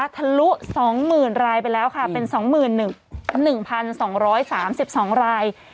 ทะลุสองหมื่นรายไปแล้วค่ะเป็นสองหมื่นหนึ่งหนึ่งพันสองร้อยสามสิบสองราย